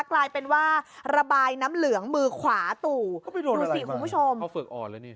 กลายเป็นว่าระบายน้ำเหลืองมือขวาตู่ดูสิคุณผู้ชมพอฝึกอ่อนแล้วนี่